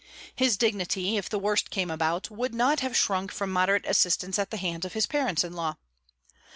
His dignity, if the worst came about, would not have shrunk from moderate assistance at the hands of his parents in law.